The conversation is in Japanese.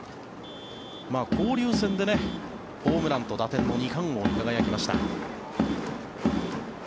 交流戦でホームランと打点の２冠王に輝きました。